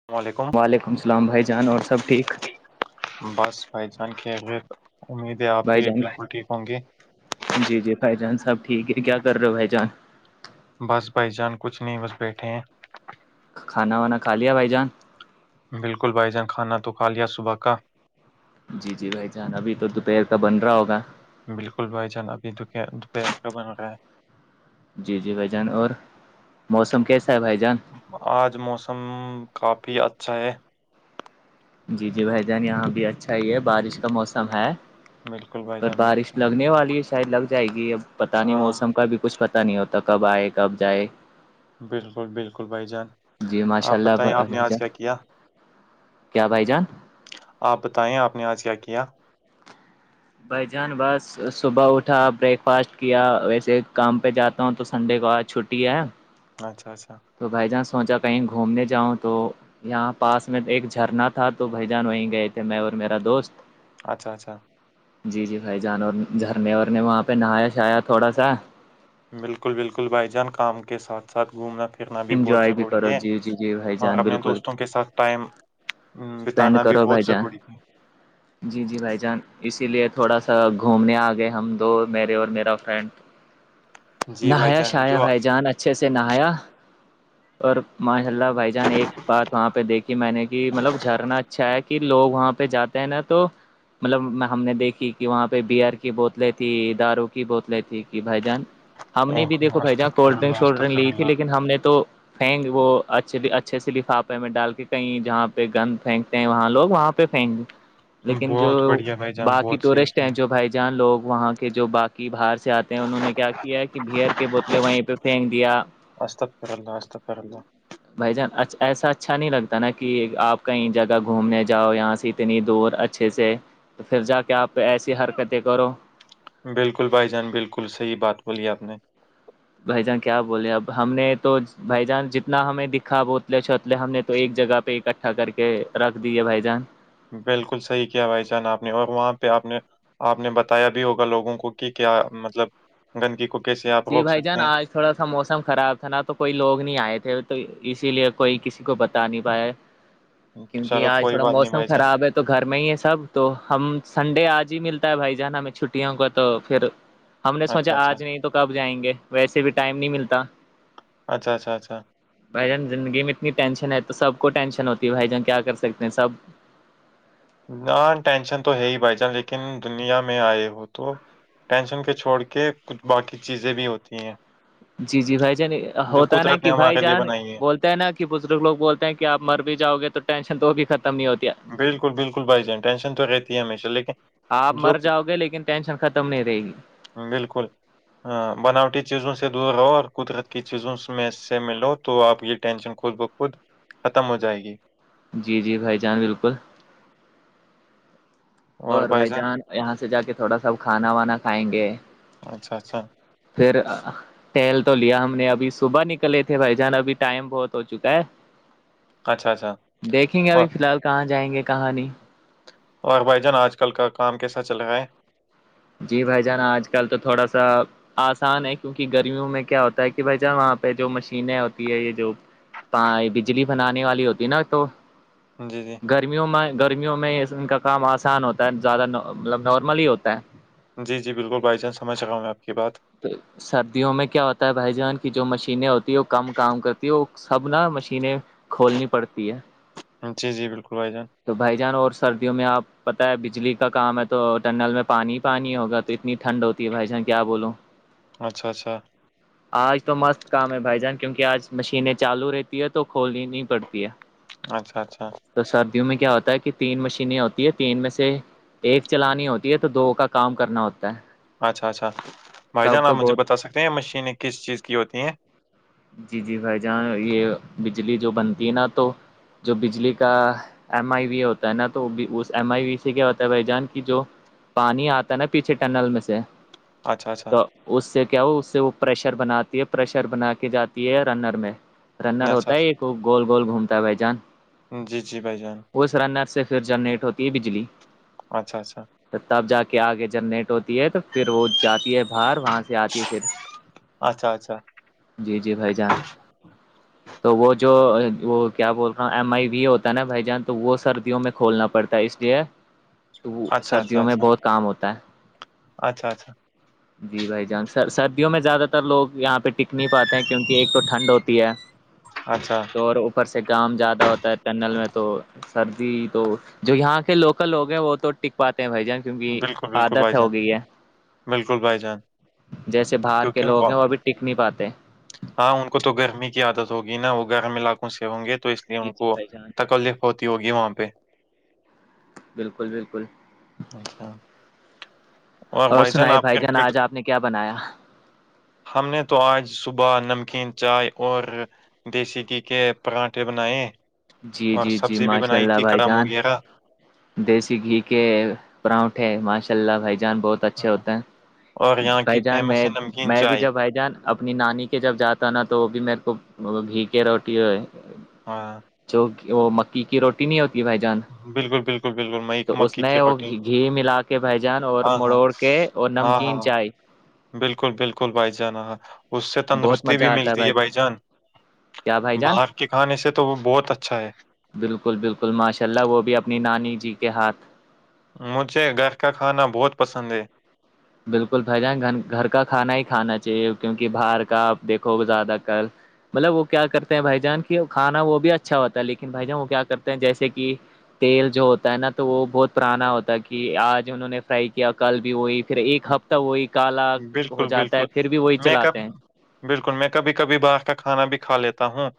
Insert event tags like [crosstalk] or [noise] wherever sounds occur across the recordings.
السلام علیکم وعلیکم السلام بھائی جان اور سب ٹھیک بس بھائی جان کے غیر امید آپ بھائی بھی جان بالکل ٹھیک ہوں گے جی جی بھائی جان سب ٹھیک ہے کیا کر رہے ہو بھائی جان بس بھائی جان کچھ نہیں بس بیٹھے ہیں کھانا وانا کا لیا بھائی جان بالکل بھائی جان کانا تو کھا لیا صبح کا جی جی بھائی جان ابھی تو دوپہر کا بن رہا ہوگا بالکل بھائی جان ابھی د د بن رہا ہے جی جی بھائی جان اور موسم کیسا ہے بھائی جان آج موسم کافی اچھا ہے جی جی بھائی جان یہاں بھی اچھا ہی ہے بارش موسم ہے بالکل بھائی پر جان بارش بالکل لگنے والی ہے شاید لگ جائے گی اب پتا نہیں ہاں موسم کا بھی کچھ پتا نہیں ہوتا کب آئے کب جائے بالکل بالکل بھائی جان جی ماشاء آپ اللہ بتائیں آپ نے بھائی آج جان کیا کیا کیا بھائی جان آپ بتائیں آپ نے آج کیا کیا بھائی جان بس صبح اٹھا بریک فاسٹ کیا ویسے کام پہ جاتا ہوں تو سنڈے کو آج چھٹی ہے اچھا اچھا تو بھائی جانس سوچا کہیں گھومنے جاؤں تو یہاں پاس میں ایک جھرنا تھا تو بھائی جان وہیں گئے تھے میں اور میرا دوست اچھا اچھا جی جی بھائی جانور جھرنے وورنے وہاں پہ نہایا شھایا تھوڑا سا بالکل بالکل بھائی جان کام کے ساتھ ساتھ گھومنا پھرنا بھی بہت انجوائے ضروری کرو ہے جی جی جی بھائی اور جان اپنے بالکل دوستوں کے ساتھ ٹائم بتانا اسپینڈ بھی کرو بہت بھائی جان ضروری ہے [unintelligible] جی جی بھائی جان اسی لیے تھوڑا سا گھومنے آ گئے ہم دو میرے اور میرا فرینڈ جی بھائی نہایا جان شایا جو او بھائی جان اچھے سے نہایا اور ماشا اللہ بھائی جان ایک بات وہاں پہ دیکھی میں نے کہ مطلب جھرنا اچھا کہ لوگ وہاں پہ جاتے ہیں نا تو مطلب ہم نے دیکھی کہ وہاں پہ بیئر کی بوتلیں تھی دارو کی بوتلیں تھی کہ بھائی جان ہم نے بھی دیکو بھائی جہاں استغفر کولڈ ڈرنک اللہ شولڈ ڈرنک استغفر لی تھی اللہ لیکن ہم نے تو فینگ وہ اچھے اچھے سے لفافے میں ڈال کے کہیں جہاں پہ گند پھینکتے ہیں وہاں لوگ وہاں پہ پھینک لیکن جو بہت بڑھیا بھائی جان باقی بہت صحیح ٹورسٹ ہیں کیا جو بھائی جان لوگ وہاں کے جو باقی باہر سے آتے انہوں نے کیا کیا کہ بیئر کے بوتلیں وہیں پہ پھینک دیا استغفر اللہ استغفر اللہ بھائی جان ایسا اچھا نہیں لگتا ہے نا کہ آپ کہیں جگہ گھومنے جاؤ یہاں سے اتنی دور اچھے سے پھر جا کے آپ ایسی حرکتیں کرو بلکل بھائی جان بلکل صحیح بات بولی آپ نے بھائی جان کیا بولے اب ہم نے تو بھائی جان جتنا ہمیں دکھا بوتلے چوتلے ہم نے تو ایک جگہ پہ اکٹھا کر کے رکھ دیے بھائی جان بلکل صحیح کیا بھائی جان آپ نے اور وہاں پہ آپ نے آپ نے بتایا بھی ہوگا لوگوں کو کہ کیا مطلب گندگی کو کیسے آپ جی روک بھائی سکتے جان ہیں آج تھوڑا سا موسم خراب تھا نا تو کوئی لوگ نہیں آئے تھے تو اسی لیے کوئی کسی کو بتا نہیں پایا کیونکہ چلو آج کوئی تھوڑا بات نہیں موسم بھائی جان خراب ہے تو تو گھر میں ہی ہے سب تو ہم سنڈے آج ہی ملتا ہے بھائی جان ہمیں چھٹیوں کا تو پھر ہم نے سونچا اچھا اچھا آج نہیں تو کب جائیں گے ویسے بھی ٹائم نہیں ملتا اچھا اچھا اچھا بھائی جان زندگی میں اتنی ٹینشن ہے تو سب کو ٹینشن ہوتی ہے بھائی جان کیا کر سکتے ہیں سب نہ ٹینشن تو ہے ہی بھائی جان لیکن دنیا میں آئے ہو تو ٹینشن کو چھوڑ کے کچھ باقی چیزیں بھی ہوتی ہیں جی جی بھائی جان جو ہوتا ہے نا قدرت نے کہ بھائی ہمارے لیے جان بنائی ہے بول نا کہ بزرگ لوگ بولتے ہیں کہ آپ مر بھی جاؤ گے تو ٹینشن تو بھی ختم نہیں ہوتی ہے بلکل بلکل بھائی جان ٹینشن تو رہتی ہے ہمیشہ لیکن آپ جو مر جاؤ گے لیکن ٹینشن ختم نہیں رہے گی بلکل ہاں بناوٹی چیزوں سے دور رہو اور قدرت کی چیزوں میں سے ملو تو آپ ٹینشن خود بہ خود ختم ہو جائے گی جی جی بھائی جان بلکل اور بھائی جان یہاں سے جاکے تھوڑا سا کھانا وانا کھائیں گے اچھا اچھا پھر ٹہل تو لیا ہم نے ابھی صبح نکلے تھے بھائی جان ابھی ٹائم بہت ہو چکا ہے اچھا اچھا دیکھیں گے ابھی اور فلحال کہاں جائیں گے کہاں نہیں اور بھائی جان آج کل کا کام کیسا چل رہا ہے جی بھائی جان آج کل تو تھوڑا سا آسان ہے کیونکہ گرمیوں میں کیا ہوتا ہے کہ بھائی جان وہاں پہ جو مشینیں ہوتی ہے یہ جو بجلی بنانے والی ہوتی ہے نا تو جی جی گرمیوں میں گرمیوں میں ان کا کام آسان ہوتا ہے زیادہ مطلب نارمل ہی ہوتا ہے جی جی بلکل بائی چان سمجھ رہا ہوں میں آپ کی بات [inaudible] سردیوں میں کیا ہوتا ہے بھائی جان کی جو مشینیں ہوتی ہیں وہ کم کام کرتی ہے وہ سب نا مشینیں کھولنی پڑھتی ہے جی جی بلکل بھائی جان تو بھائی جان اور سردیوں میں آپ پتہ ہے بجلی کا کام ہے تو ٹنل میں پانی پانی ہوگا تو اتنی ٹھنڈ ہوتی ہے بھائی جان کیا بولوں اچھا اچھا [inaudible] آج تو مست کام ہے بھائی جان کیونکہ آج مشینیں چالو رہتی ہے تو کھولنی نہیں پڑتی ہے اچھا اچھا تو سردیوں میں کیا ہوتا ہے کہ تین مشینیں ہوتی ہے تین میں سے ایک چلانی ہوتی ہے تو دو کا کام کرنا ہوتا ہے اچھا اچھا بھائی تب جان آپ تو مجھے بہت بتا سکتے ہیں یہ مشینیں کس چیز کی ہوتی ہیں جی جی بھائی جان یہ بجلی جو بنتی ہے نا تو جو بجلی کا ایم آئی وی ہوتا ہے نا تو اس ایم آئی وی سے کیا ہوتا ہے بھائی جان کی جو پانی آتا نا پیچھے ٹنل میں سے اچھا اچھا تو اس سے کیا ہو اس سے وہ پریشر بناتی ہے پریشر بنا کے جاتی ہے رنر میں رنر ہوتا اچھا ہے ایک گول گول گھومتا ہے بھ جان جی جی بھائی جان اس رنر سے پھر جنریٹ ہوتی ہے بجلی اچھا اچھا تو تب جا کے آگے جنریٹ ہوتی ہے تو پھر وہ جاتی ہے باہر وہاں سے آتی پھر اچھا اچھا جی جی بھائی جان تو وہ جو وہ کیا بول رہا ہوں ایم آئی و ہوتا ہے نا بھائی جان تو وہ سردیوں میں کھولنا پڑتا ہے اس لیے تو وہ اچھا اچھا سردیوں میں اچھا بہت کام ہوتا ہے اچھا اچھا جی بھائی جانگ سر سردیوں میں زیادہ تر لوگ یہاں پہ نہیں پاتے ہیں کیونکہ ایک تو ٹھنڈ ہوتی ہے اچھا تو اور اوپر سے گم زیادہ ہوتا ہے ٹنل میں تو سردی تو جو یہاں کے لوکل لوگ ہیں وہ تو ٹک پاتے ہیں بھائی جان کیونکہ بالکل بالکل عادت بھائی جان ہو گئی ہے بالکل بھائی جان جیسے باہر کے کیونکہ ان لوگ کو ہیں وہ ابھی ٹک نہیں پاتے ہاں ان کو تو گرمی کی عادت ہوگی نا وہ گرم علاقوں سے ہوں گے تو اس جی ان جی کو بھائی جان تکلیف ہوتی ہوگی وہاں پہ بالکل بالکل اچھا اور سنائی بھائی جان آج آپ نے کیا بنایا ہم نے تو آج صبح نمکین چائے اور دیسی گھی کے پرانٹھے بنیں جی جی جی ماشاء اللہ بھائی جان وغیرہ دیسی گھی کے پراؤٹھ ماشاء اللہ بھائی جان بہت اچھے ہوتے ہیں اور یہاں کی بھائی جان فیمس میں ہے نمکین میں بھی چائے جب بھائی جان اپنی نانی کے جب جاتا نا تو وہ بھی میرے کو بھییک روٹی ہو ہاں جو وہ مکی کی روٹی نہیں ہوتی بھائی جان بالل بالکل میں تو اس میں وہ گھی ملا کے بھجان اور ہاں ہاں مڑوڑ کے اور ہاں نمکین ہاں چائے بالکل بالکل بھائی جان ہاں اس سے تندرستی بھی ملتی ہے بھائی جان کیا بھائی جان باہر کے کھانے سے تو وہ بہت اچھا ہے بالکل بالکل ماشاء اللہ وہ بھی اپنی نانی جی کے ہاتھ مجھے گائے کا کھانا بہت پسند ہے بالکل بھائی جان گھر کا کھانا ہی کھانا چاہیے کیونکہ باہر کا آپ دیکھو زیادہ مطلب وہ کیا کرتے ہیں بھائی جان کے کھانا وہ بھی اچھا ہوتا ہے لیکن بھائی جان وہ کیا کرتے ہیں جیسے کہ تیل جو ہوتا ہے نا تو وہ بہت پرانا ہوتا ہے کہ آج انہوں نے فرائی کیا کل بھی وہی پھر ایک ہفتہ وہی کالا ہو بالکل جاتا بالکل ہے پھر بھی وہی میں کب چلاتے ہیں بالکل میں کبھی کبھی باہر کا کھانا بھی کھا لیتا ہوں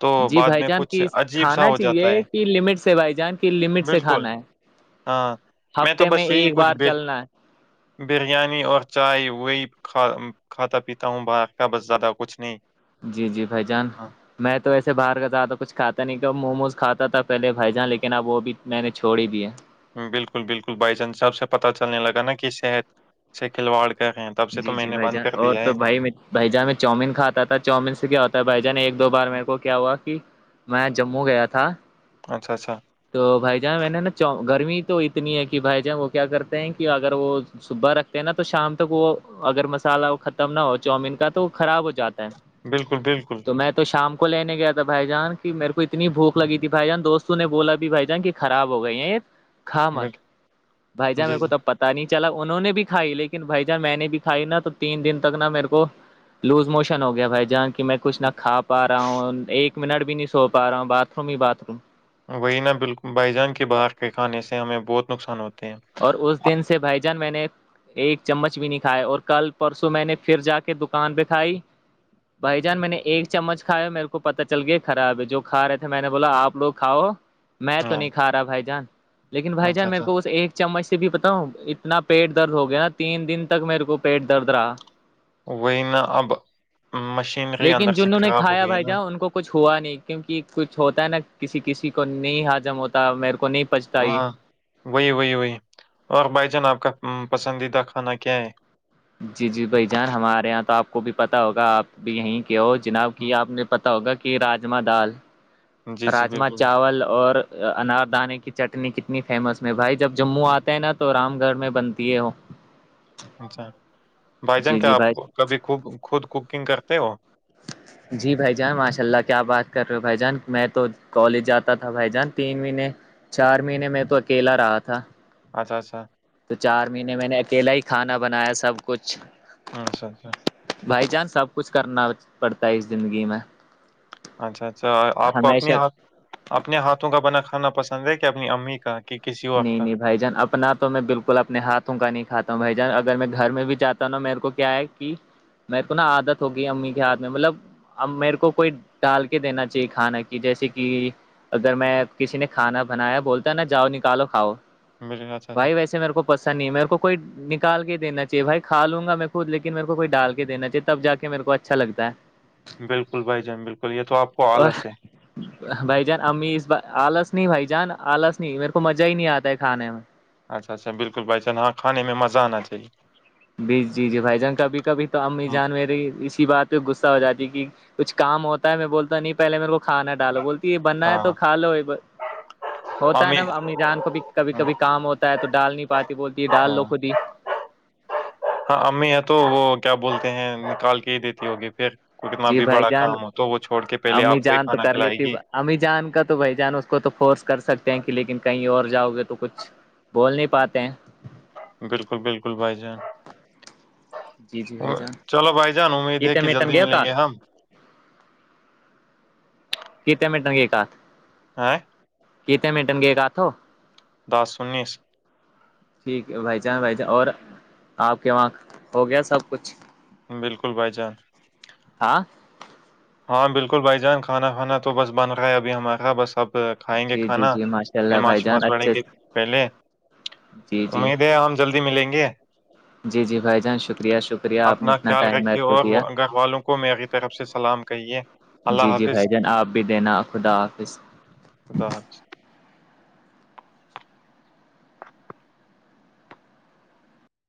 تو جی بعد بھائی میں جان کچھ کی عجیب سا کھانا ہو جاتا چاہیے ہے کہ لمٹ سے بھائی جان کی لمٹ سے بالکل کھانا ہے ہاں میں تو ہفتے بس یہی ایک کچھ بار بھی چلنا ہے بریانی اور چائے وہی کھاتا پیتا ہوں باقہ بس زیادہ کچھ نہیں جی جی بھائی جان ہاں میں تو ایسے باہر کا زیادہ کچھ کھاتا نہیں کہ موموز کھاتا تھا پہلے بائی جان لیکن اب وہ بھی میں نے چھوڑی بھی ہے بالکل بالکل بھائی چانس صحب سے پت چلنے لگا نا کہ صحت سے کھلواڑ کا ہے جی جی بھائی جان اور تو بھائی بھ جان میں چؤمین کھاتا تھا چاؤمین سے کیا ہوتا ہے بھائی جان ایک دو بار میرے کو کیا ہوا کہ میں جموں گیا تھا اچھا اچھا تو بھائی جہان میں نے نا گرمی تو اتنی ہے کہ بھائی جہان وہ کیا کرتے ہیں کہ اگر وہ صبح رکھتے ہیں نا تو شام تک وہ اگر مسالہ ختم نہ ہو چاؤمین کا تو وہ خراب ہو جاتا ہے بالکل بالکل تو میں تو شام کو لینے گیا تھا بھائی جان کہ میرے کو اتنی بھوک لگ تھی بھائی جان دوستوں نے بولا بھائی جان کی خراب ہو گئی ہیں ایک ک مت بال- بھائی جان میرے جی کو جی تب پتا پ نہیں چلا انہوں نے بھی کھائی لیکن بھائی جان میں نے بھی کھائی نا تو تین دن تک نا میرے کو لوز موشن ہو گیا بھائی جہاں کی کہ میں کچھ نہ کھا پا رہا ہوں ایک منٹ بھی نہیں سو پا رہا ہوں باتھ روم ہی باتھ روم وہیں نہ بالکل بائی جان کے بہار کے کھانے سے ہمیں بہت نقصان ہوتے ہیں اور اس دن سے بھائی جان میں نے ایک چمچ بھی نہیں کھائے اور کل پرسوں میں نے پھر جا کے دکان پہ کھائی بھائی جان میں نے ایک چمچ کھایا میرے کو پتا چل گیا خراب ہے جو کھ رہے تھے میں نے بولا آپ لوگ کھاؤ میں تو ہاں نہیں کھا رہا بھائی جان لیکن بھائی اچھا جان میرے اچھا کو اس ایک چمچ سے بھی پتاؤوں اتنا پیٹ درد ہو گیا نا تین دن تک میرے کو پیٹ درد رہا وہی نا اب مش لیکن جنہوں نے کھایا بھائی جان ان کو کچھ ہوا نہیں کیونکہ کچھ ہوتا ہے نا کسی کسی کو نہیں ہاجم ہوتا میرے کو نہیں پچتا یہ ہاں وہی وہی وہی اور بھائی جان آپ کا پسندیدہ کھانا کیا ہے جی جی بھائی جان ہمارے یہاں تو آپ کو بھی پتہ ہوگا آپ بھی یہیں کے ہو جناب کہ آپ نے پتا ہوگا کہ راجما دال جی جی راجما بالکل چاول اور اناردانے کی چٹنی کتنی فیمس میں بھائی جب جموں آتا ہے نا تو رام گھر میں بنتی ہے ہو اچھا بھائی جان جی کیا جی آپ کو بھائی کبھی خ خود کوکنگ کرتے ہو ج [inaudible] جی بھائی جان ماشاء اللہ کیا بات کر رہے ہو بھائی جان میں تو کالج جاتا تھا بھائی جان تین مہینے چار مہینے میں تو اکیلا رہا تھا اچھا اچھا تو چار مہینے میں نے اکیلا ہی کھانا بنایا سب کچھ اچھا اچھا بھائی چانس سب کچھ کرنا پڑتا ہے اس زندگی میں اچھا اچھا آپ کو ہمیشہ اپنےاتھ اپنے ہاتھوں کا بنا کھانا پسند ہے کہ اپنی امی کا کہ کسی اور نہیں کا نہیں بھائی جان اپنا تو میں بالکل کل اپنے ہاتھوں کا نہیں کھاتا ہوں بھائی جان اگر میں گھر میں بھی جاتا ہوںا میرے کو کیا ہے کہ میرے کو نا عادت ہوگئی امی کے ہاتھ میں مطلب اب میرے کو کوئی ڈال کے دینا چاہیے کھانا کی جیسے کہ اگر میں کسی نے کھانا بنایا بولتا ہے نا جاؤ نکالو کھاؤ بالکل اچھا اچھا بھائی ویسے میرے کو پسند نہیں ہے میرے کو کوئی نکال کے دا چاہیے بھائی کا لوں گا میں خود لیکن میرے کو ڈال کے دینا چاہے تب جا کے میرے کو اچھا لگتا ہے جی بالکل بھائی جان بالکل یہ تو آپ کو اور آلس ہے بھائی جان امی اس بار آلس نہیں بھائی جان آلس نہیں میرے کو مزہ ہی نہیں آتا ہے کھانے میں اچھا اچھا بالکل بھائیان ہاں کانے میں مزہ آنا چاہے بھی جی جی بھائی جان کبھی کبھی تو امی ہم- جان میری اسی بات پہ غصہ ہو جاتی کہ کچھ کام ہوتا ہے میں بولتا نہیں پہلے میرے کو کھانا ڈال بولتا بننا ہے تو ہاں کھا لو یہ ہوتا ہے نا امی جان کو بھی کبھی ہاں کبھی کام ہوتا تو ڈال نہیں پاتی بولتی ہے ڈال لو ہاں کو دی ہاں امی ہے تو وہ کیا بولتے ہیں نکال کے ہی دیتی ہوگی پھر کتنا جی بھی بھائی بڑا جان کام ہو تو وہ چھوڑ کے پہلے امی آپ کو ہی جان تو کھانا کر کھلائے لیتی گی امی جان کا تو بھائی جان اس کو تو فورس کر سکتے ہیں کہ لیکن کہیں اور جاؤ گے تو کچھ بول نہیں پاتے ہیں بالکل بالکل بھائی جان جی جی بھائی جان چلو بھائی جان امید ہے کتنے کہ میٹن جلدی گئے ملیں کات گے ہم کتنے منٹ کی کاتھ [unintelligible] آ [unintelligible] کتنے منٹن گئے گاتھ ہو [unintelligible] دس انیس [unintelligible] ٹھیک ہے بھائی چان بھائی جان اور آپ کے وہاں ہو گیا سب کچھ بالکل بھائی جان ہاں [inaudible] ہاں بالکل بھائی جان کھانا کھانا تو بس بن رہا ہے ابھی ہمارےا بس اب کھائیں گے جی جی کھانا جی ماشاء اللہ نماز بھائی جان شماز پڑھیں اچھے گے پہلے جی جی امید ہے جلدی ملیں گے جی جی بھائی جان شکریہ شکریہ آپ نے اپنا اتنا خیال ٹائم رکے میرے کو اور دیا گ والوں کو میںری طرف سے سلام کہیے جی اللہ جی بھائی حافظ جان آپ بھی دینا خدا حافظ خدا حافظ